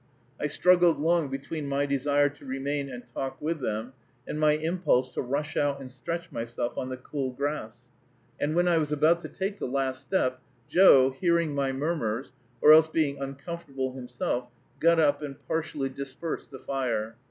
I struggled long between my desire to remain and talk with them and my impulse to rush out and stretch myself on the cool grass; and when I was about to take the last step, Joe, hearing my murmurs, or else being uncomfortable himself, got up and partially dispersed the fire.